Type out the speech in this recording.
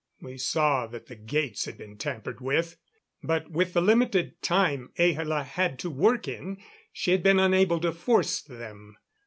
We saw that the gates had been tampered with, but with the limited time Ahla had to work in, she had been unable to force them.